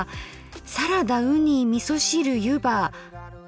「サラダうにみそ汁ゆば」。